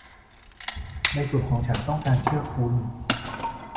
ในส่วนของฉันต้องการเชื่อคุณ